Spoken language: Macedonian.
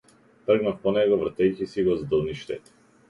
Тргнав по него, вртејќи си го здолништето.